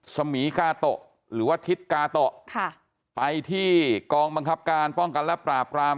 สมีกาโตะหรือว่าทิศกาโตะค่ะไปที่กองบังคับการป้องกันและปราบราม